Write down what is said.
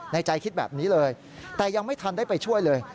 ในใจคิดแบบนี้เลยแต่ยังไม่ทันได้ไปช่วยเลย